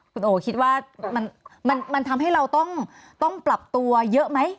คุณโอคิดว่ามันทำให้เราต้องปรับตัวเยอะไหม